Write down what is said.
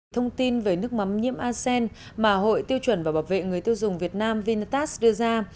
thông tin về nước mắm nhiễm asean mà hội tiêu chuẩn và bảo vệ người tiêu dùng việt nam vinatast đưa ra